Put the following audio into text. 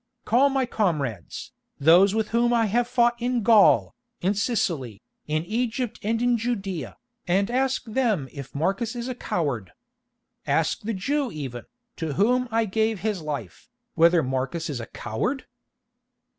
"Call my comrades, those with whom I have fought in Gaul, in Sicily, in Egypt and in Judæa, and ask them if Marcus is a coward? Ask that Jew even, to whom I gave his life, whether Marcus is a coward?"